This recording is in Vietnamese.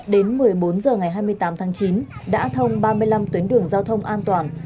đến một mươi bốn h ngày hai mươi tám tháng chín đã thông ba mươi năm tuyến đường giao thông an toàn